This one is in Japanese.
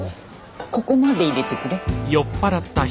ここまで入れてくれ。